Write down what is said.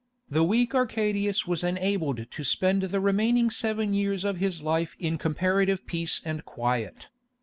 The weak Arcadius was enabled to spend the remaining seven years of his life in comparative peace and quiet.